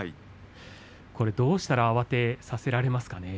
これはどうしたら慌てさせられますかね。